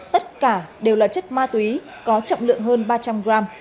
tất cả đều là chất ma túy có trọng lượng hơn ba trăm linh gram